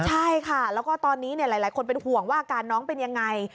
ใช่ค่ะแล้วก็ตอนนี้หลายคนเป็นห่วงว่าอาการน้องเป็นยังไง